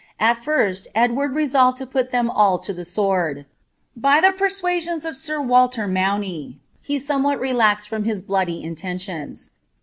At fint Edward resolved to pDt tliun nil to the sword. By the pcrsuiuioiis of sir Walter Maun;, bf tomewhat relaxed from his bloody intcDtioiiB.